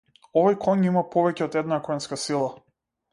Овој коњ има повеќе од една коњска сила.